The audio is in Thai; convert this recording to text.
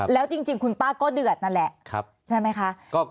แล้วจริงคุณป้าก็เดือดนั่นแหละใช่ไหมคะ